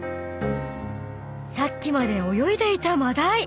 ［さっきまで泳いでいた真鯛］